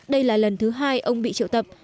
đây là lần thứ hai ông bị triệu tập